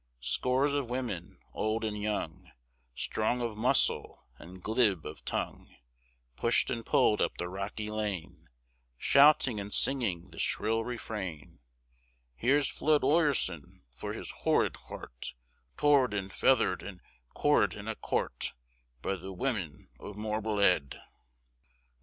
Scores of women, old and young, Strong of muscle, and glib of tongue, Pushed and pulled up the rocky lane, Shouting and singing the shrill refrain: "Here's Flud Oirson, fur his horrd horrt, Torr'd an' futherr'd an' corr'd in a corrt By the women o' Morble'ead!"